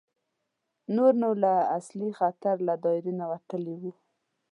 نور نو له اصلي خطر له دایرې نه وتلي وو.